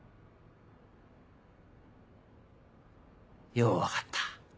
よう分かった